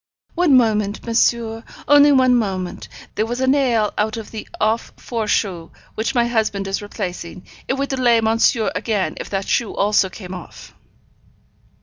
'One moment, monsieur only one moment. There was a nail out of the off foreshoe which my husband is replacing; it would delay monsieur again if that shoe also came off.'